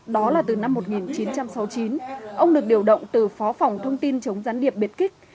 đó là từ năm một nghìn chín trăm sáu mươi chín ông được điều động từ phó phòng thông tin chống gián điệp biệt kích